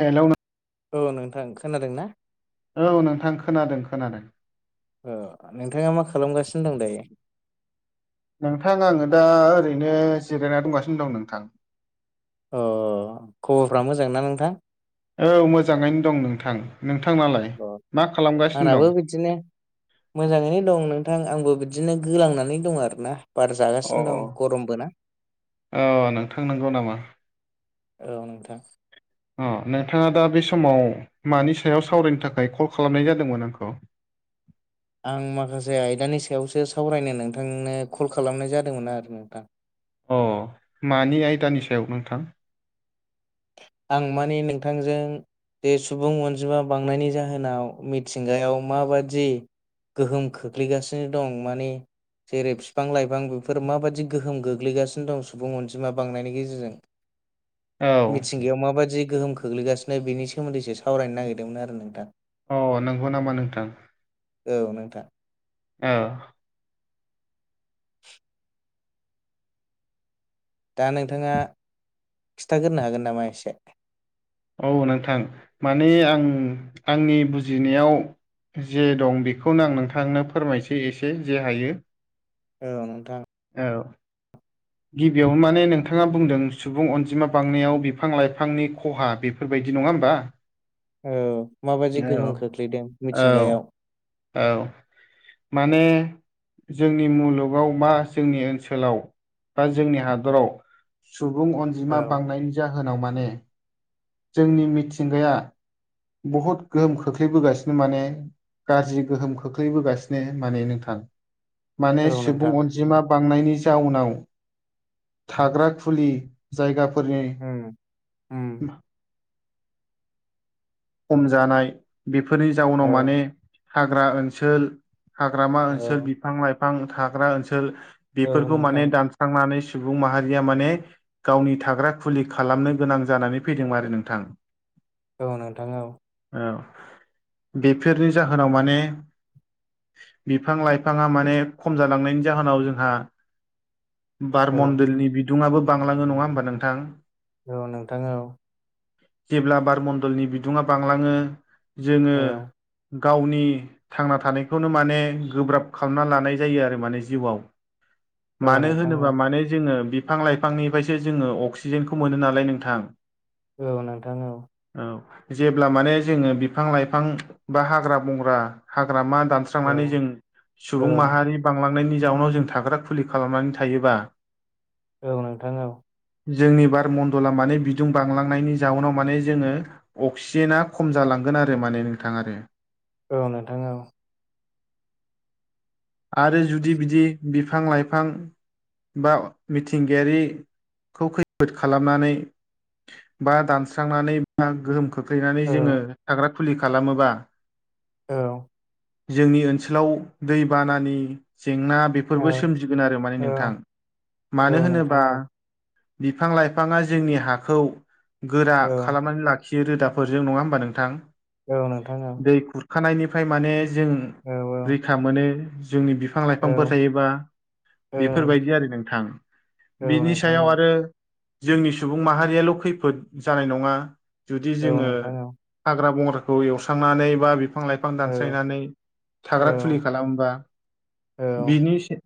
Hello नों औ नोंथां खोनादों ना? औ नोंथां खोनादों खोनादों। अ नोंथाङा मा खालामगासिनो दं दायो? नोंथां आङो दा ओरैनो जिरायना दंगासिनो दं नोंथां। अ खबरफ्रा मोजांना नोंथां। औ मोजाङैनो दं नोंथां नोंथांनालाय अ मा खालामगासिनो आंनाबो दं? बिदिनो मोजाङैनो दं नोंथां आंबो बिदिनो गोलांनानै दं आरोना। बार अ जागासिनो दं गरमबो ना। अ नोंथां नंगौ नामा औ नोंथां अ नोंथाङा दा बे समाव मानि सायाव सावरायनो थाखाय कल खालामनाय जादोंमोन आंखौ? आं माखासे आयदानि सायावसो सावरायनो नोंथांनो कल खालामनाय जादोंमोन आरो नोंथां। अ मानि आयदानि सायाव नोंथां? आं माने नोंथांजों बे सुबुं अनजिमा बांनायनि जाहोनाव मिथिंगायाव माबादि गोहोम खोख्लैगासिनो दं मानि जेरै बिफां लाइफां बेफोर माबायदि गोहोम गोग्लैगासिनो दं सुबुं अनजिमा बांनायनि गेजेरजों औ मिथिंगायाव माबायदि गोहोम खोख्लैगासिनो बेनि सोमोन्दैसो सावरायनो नागिरदोंमोन आरो नोंथां। अ नंगौ नामा नोंथां। औ नोंथां औ दा नोंथाङा खिथागोरनो हागोन नामा एसे औ नोंथां माने आं आंनि बुजिनायाव जे दं बेखौनो आं नोंथांनो फोरमायसै एसे जे हायो औ नोंथां औ [inaudible] गिबियावनो माने नोंथाङा बुंदों सुबुं अनजिमा बांनायाव बिफां-लाइफांनि ख'हा बेफोरबायदि नङा होमबा? औ माबायदि औ गोहोम खोख्लैदों मिथिंगायाव औ माने जोंनि मुलुगाव मा जोंनि ओनसोलाव बा जोंनि हादराव सुबुं औ अनजिमा बांनायनि जाहोनाव माने जोंनि मिथिंगाया बहुद गोहोम खोख्लैबोगासिनो माने गाज्रि गोहोम खोख्लैबोगासिनो माने नोंथां माने औ सुबुं नोंथां अनजिमा बांनायनि जाउनाव थाग्रा खुलि जायगाफोरनि उम-उम खम जानाय बेफोरनि जाउनाव औ माने हाग्रा ओनसोल हाग्रामा ओनसोल औ बिफां लाइफां थाग्रा ओनसोल औ बेफोरखौ नोंथां माने दान स्रांनानै सुबुं माहारिया माने गावनि थाग्रा खुलि खालामनो गोनां जानानै फैदोंमोन आरो नोंथां औ नोंथां औ औ बेफोरनि जाहोनाव माने बिफां-लाइफाङा माने खम जालांनायनि जाहोनाव जोंहा बार औ मन्दलनि बिदुङाबो बांलाङो नङा होमबा नोंथां औ नोंथां औ जेब्ला बारमण्डलनि बिदुङा बांलाङो जोङो औ गावनि थांना थानायखौनो माने गोब्राब खालामना लानाय जायो आरो माने जिउआव औ मानो नोंथां औ होनोबा माने जोङो बिफां-लाइफांनिफायसो जोङो अक्सिजेनखौ मोनो नालाय नोंथां औ नोंथां औ औ जेब्ला माने जोङो बिफां-लाइफां बा हाग्रा बंग्रा-हाग्रा मा दानस्रा औ स्रांनानै जों औ सुबुं माहारि बांलांनायनि जाउनाव जों थाग्रा खुलि खालामनानै थायोबा औ नोंथां औ जोंनि बार मन्दला माने बिदुं बांलांनायनि जाउनाव माने जोङो अक्सिजेना खम जालांगोन आरो माने नोंथां आरो औ नोंथां औ आरो जुदि बिदि बिफां-लाइफां बा मिथिंगायारिखौ खैफोद खालामनानै बा दानस्रांनानै बा गोहोम खोख्लैनानै जोङो औ थाग्रा खुलि खालामोबा औ जोंनि ओनसोलाव दैबानानि जेंना बे फोरबो सोमजिगोन आरो माने नोंथां औ मानो नोंथां होनोबा औ बिफां-लाइफाङा जोंनि हाखौ गोरा औ खालामनानै लाखि खियो रोदाफोरजों नङा होमबा नोंथां औ नोंथां ओं। खानायनिफाय माने जों औ रैखा मोनो। जोंनि बि औ औ फां-लाइफांफोर थायोबा बेफोरबायदि आरो नोंथां। बिनि सायाव नोंथां आरो जोंनि सुबुं माहारियाल' खैफोद जानाय नङा। औ जुदि जोङो नोंथां हाग्रा बंग्राखौ एवस्रांनानै बा बिफां-लाइफां दानस्रायनानै थाग्रा खुलि खालामोबा बिनि से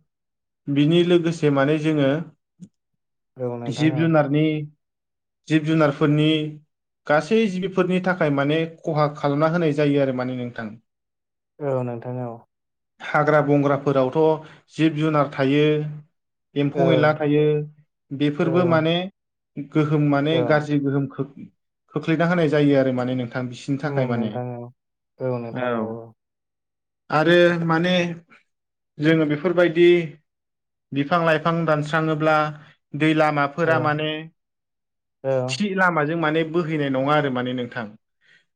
बिनि लोगोसे माने जोङो जिब औ जुनारनि जिब जुनारफोरनि गासै जिबिफोरनि थाखाय माने खहा खालामना होनाय जायो आरो माने नोंथां। औ नोंथां औ। हाग्रा बंग्राफोरावथ' जिब जुनार थायो एम्फौ एनला थायो बेफोरबो माने औ गोहोम माने औ गाज्रि गोहोम खोख खोख्लैना होनाय जायो आरो माने नोंथां बिस नि उम थाखाय माने नोंथां औ औ आरो माने जोङो बेफोरबायदि बिफां लाइफां दानस्राङोब्ला दै लामा औ फोरा माने थि लामाजों माने बोहैनाय नङा आरो माने नोंथां।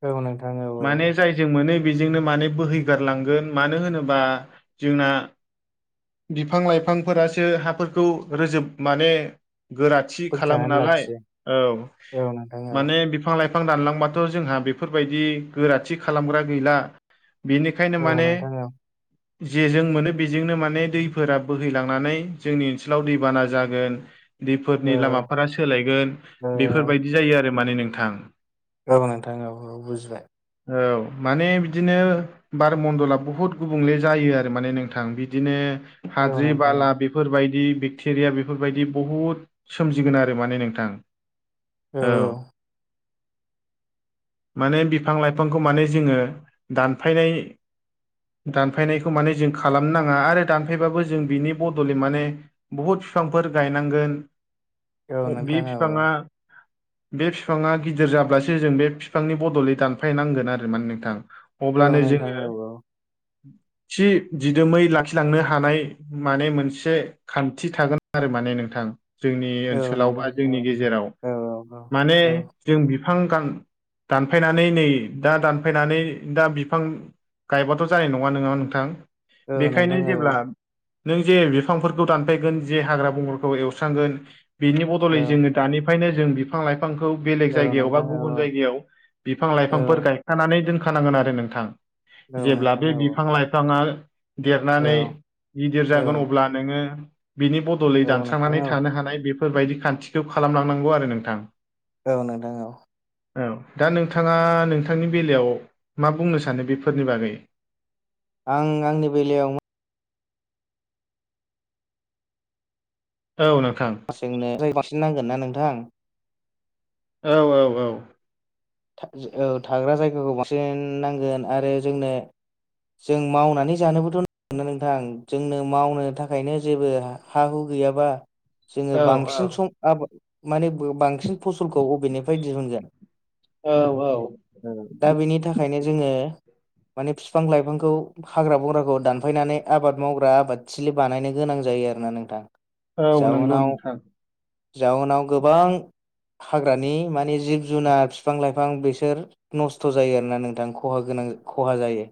औ नोंथां औ औ औ। जों मोनो बेजोंनो माने बोहै गारलांगोन मानो होनोबा जोंना बिफां लाइफांफोरासो हाफोरखौ रोजोब माने गोराथि खालामो बोगथानानै नालाय लाखियो औ औ नोंथां औ माने बि फां-लाइफां दानलांबाथ' जोंहा बेफोरबायदि गोराथि खालामग्रा गैला। बिनिखायनो औ माने नोंथां औ जेजों मोनो बेजोंनो माने दैफोरा बोहैलांनानै जोंनि ओनसोलाव दैबाना जागोन। औ दैफोरनि लामाफोरा सोलायगोन औ बेफोरबायदि जायो आरो माने नोंथां। औ नोंथां औ औ बुजिबाय। औ माने बिदिनो बारमन्दला बुहुद गुबुंले जायो आरो माने नोंथां बिदिनो औ हाद्रि नोंथां औ बाला बे फोरबायदि बेक्टेरिया बेफोरबायदि बहुद सोमजिगोन आरो माने नोंथां। औ। माने बिफां लाइफांखौ माने जोङो दानफायनाय दानफायनायखौ माने जों खालामनो नाङा आरो दानफायबाबो जों बिनि बदलै माने बहुद फिफांफोर गायनांगोन औ ओ बे नोंथां औ फिफाङा बे फिफाङा गिदिर जाब्लासो जों बे फिफांनि बदलै दानफायनांगोन आरो माने नोंथां। औ अब्लानो नोंथां जोङो औ थि दिदोमै लाखिलांनो हानाय माने मोनसे खान्थि थागोन आरो माने नोंथां। जोंनि औ ओनसोलाव बा नोंथां औ जोंनि गेजेराव औ माने जों बिफां गां दानफायनानै नै दा दानफायनानै दा बिफां गायबाथ' जानाय नङा नोङा नोंथां औ नोंथां बेखायनो औ जेब्ला नों जे बिफांफोरखौ दानफायगोन जे हाग्रा बंग्रखौ एवस्रांगोन बिनि औ बदलै जोङो दानिफायनो जों बिफां लाइ फांखौ बेलेग औ नोंथां औ नोंथां औ जायगायाव बा नोंथां गुबुन औ जायगायाव बिफां लाइफांफोर औ गाय खानानै दोनखानांगोन आरो नोंथां। औ जेब्ला नोंथां बे औ औ। बिफां लाइफाङा देरनानै गिदिर जागोन अब्ला नोङो बिनि बदलै दानस्रांनानै थानो हानाय बेफोरबायदि खान्थिखौ खालामलांनांगौ आरो नोंथां। औ नोंथां औ। औ दा नोंथाङा नोंथांनि बेलायाव मा बुंनो सानो बेफोरनि बागै? आं आंनि बेलायाव औ नोंथां। जोंनो [unintelligible] बांसिन नांगोन ना नोंथां औ-औ-औ था औ थाग्रा जायगाखौ बांसिन नांगोन आरो जोंनो जों मावनानै जानोबोथ' नांगौना नोंथां जोंनो मावनो थाखायनो जेबो हा हु गैयाबा जोङो औ बांसिन सम आबाद माने बांसिन फसलखौ बबेनिफ्राय दिहुनगोन औ-औ दा बेनि थाखायनो जोङो माने बिफां लाइफांखौ हाग्रा बंग्राखौ दानफायनानै आबाद मावग्रा आबाद थिलि बानायनो गोनां जायो आरो ना नोंथां। औ औ नंगौ जाउनाव नोंथां जाउनाव गोबां हाग्रानि मानि जिब जुनार बिफां लाइफां बिसोर नस्थ' जायो आरोना नोंथां खहा गोनां खहा जायो।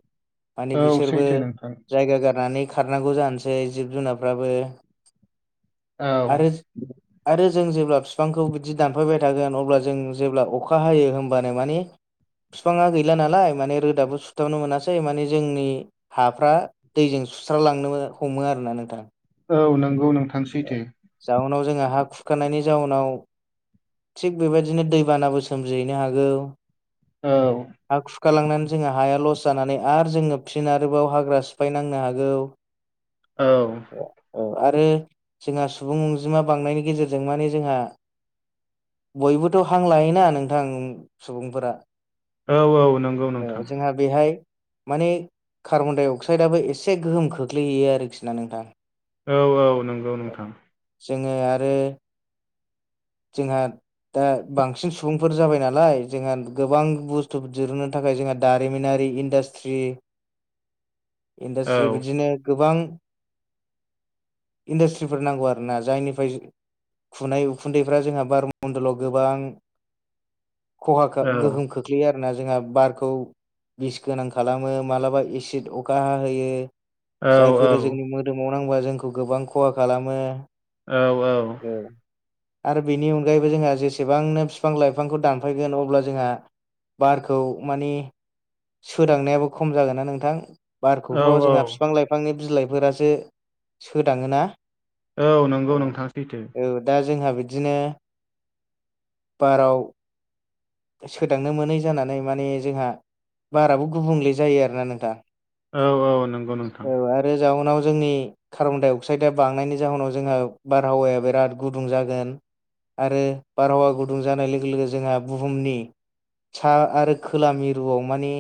माने औ बिसोरबो सैथो नोंथां जायगा गारनानै खारनांगौ जानोसै जिब जुनारफ्राबो औ आरो आरो जों जेब्ला बिफांखौ बिदि दानफायबाय थागोन अब्ला जों जेब्ला अखा हायो होमबानो माने बिफाङा गैला नालाय माने रोदाबो सुथाबनो मोनासै माने जोंनि हाफ्रा दैजों सुस्रालांनो हमो आरोना नोंथां। औ नंगौ नोंथां सैथो। जाउनाव जोङो हा खुरखानायनि जाउनाव थिग बेबायदिनो दैबानाबो सोमजिहैनो हागौ औ हा खुरखालांनानै जोंहा हाया लस जानानै आरो जोङो फिन आरोबाव हाग्रा सिफायनांनो हागौ [inaudible] औ औ आरो जोंहा सुबुं अनजिमा बांनायनि गेजेरजों माने जोंहा बयबोथ' हां लायोना नोंथां सुबुंफोरा औ औ नंगौ ओ नोंथां। जोंहा बेहाय माने कार्बन डाइ अक्साइदाबो एसे गोहोम खोख्लैहैयो आरोखि ना नोंथां। औ औ नंगौ नोंथां। जोङो आरो जोंहा दा बांसिन सुबुंफोर जाबाय नालाय जोंहा गोबां बुस्थु दिरुननो थाखाय जोंहा दारिमिनारि इन्डास्ट्रि औ इन्डास्ट्रि बिदिनो गोबां इन्डासट्रिफोर नांगौ आरो ना जायनिफ्राय खुनाय उखुन्दैफ्रा जोंहा बार मण्डलाव गोबां खहा औ गोहोम खोख्लैयो आरोना जोंहा बारखौ बिस गोनां खालामो मालाबा एसिड अखा हा होयो औ जायफोरो जोंनो मोदोमाव नांबा जोंखौ गोबां खहा खालामो। औ औ औ आरो बिनि अनगायैबो जोंहा जेसेबांनो बिफां लाइफांखौ दानफायगोन अब्ला जोंहा बारखौ मानि सोदांनायाबो खम जागोन ना नोंथां। औ बारखौथ' औ जोंहा बिफां लाइफांनि बिलाइफोरासो सोदाङोना। औ नंगौ नोंथां सैथो दा जोंहा बिदिनो बाराव सोदांनो मोनै जानानै माने जोंहा बाराबो गुबुंले जायो आरोना नोंथां। औ औ नंगौ नोंथां। बे जाउनाव जोंनि कार्बन डाइ अक्साइडआ बांनायनि जाहोनाव जोंहा बारहावाया बिराद गुदुं जागोन। आरो बारहावा गुदुं जानाय लोगो लोगो जोंहा बुहुमनि सा आरो खोला मिरुआव माने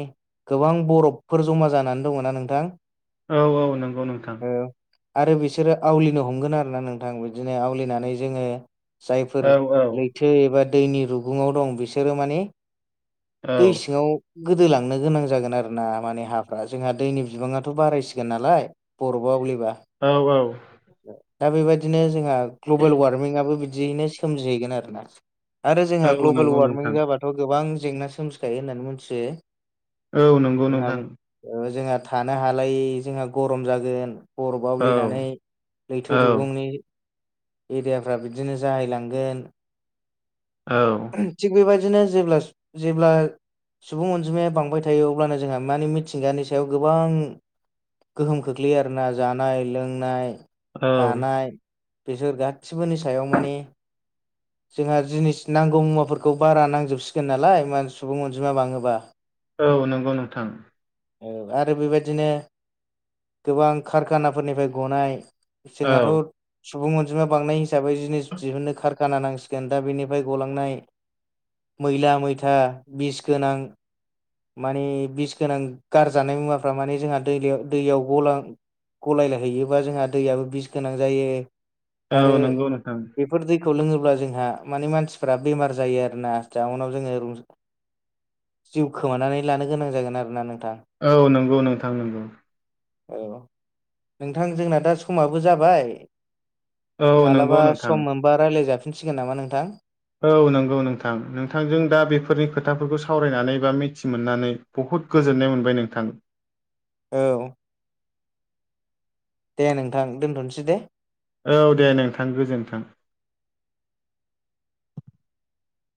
गोबां बरफफोर जमा जानानै दङना नोंथां? औ औ नंगौ नोंथां। औ आरो बिसोरो आवलिनो हमगोन आरोना नोंथां बिदिनो आवलिनानै जोङो जायफोर औ औ लैथो एबा दैनि रुगुङाव दं बिसोरो माने औ दै सिङाव गोदोलांनो गोनां जागोन आरोना माने हाफ्रा जोंहा दैनि बिबाङाथ' बारायसिगोन नालाय। बरबा आवलिबा औ औ दा बेबायदिनो जोंहा ग्लबेल वारमिङाबो बिदियैनो सोमजिहैगोन आरोना आरो जोंहा औ ग्लबेल नंगौ वार नोंथां मिङाथ' गोबां जेंना सोमजिखायो होननानै मिथियो औ नंगौ जोंहा नोंथां। ओ जोंहा थानो हालायै जोंहा गरम जागोन। बरफ औ आवलिनानै लैथो औ रुगुंनि एरियाफ्रा बिदिनो जाहैलांगोन औ थिग बेबायदिनो जेब्ला जेब्ला सुबुं अनजिमाया बांबाय थायो अब्लानो जोंहा माने मिथिंगानि सायाव गोबां गोहोम खोख्लैयो आरोना जानाय लोंनाय औ थानाय बिसोर गासिबोनि सायाव माने जोंहा जिनिस नांगौ मुवाफोरखौ बारा नांजोबसिगोन नालाय मा सुबुं अनजिमा बाङोबा औ नंगौ नोंथां। औ आरो बेबायदिनो गोबां कारखानाफोरनिफ्राय गनाय औ जोंहाथ' सुबुं अनजिमा बांनाय हिसाबै जिनिस दिहुनो खार काना नांसिगोन दा बेनिफ्राय गलांनाय मैला मैथा बिस गोनां माने बिस गोनां गारजानाय मुवाफ्रा माने जोंहा दै दैयाव गलां गलायला हैयोबा जोंहा दैयाबो बिस गोनां जायो। औ आरो नंगौ नोंथां बेफोर दैखौ लोङोब्ला जोंहा माने मानसिफ्रा बेमार जायो आरोना जााउनाव जोङो रु खोमानानै लानो गोनां जागोन आरोना नोंथां। औ नंगौ नोंथां नंगौ औ नोंथां जोंना दा समाबो जाबाय। औ नंगौ मालाबा नोंथां सम मोनबा रायलाय जाफिनसिगोन नामा नोंथां? औ नंगौ नोंथां नोंथांजों दा बेफोरनि खोथाफोरखौ सावरायनानै बा मिथि मोननानै बुहुद गोजोननाय मोनबाय नोंथां। औ दे नोंथां दोनथ'नोसै दे औ दे नोंथां गोजोनथों।